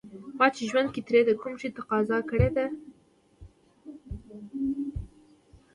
ما چې په ژوند کې ترې د کوم شي تقاضا کړې ده.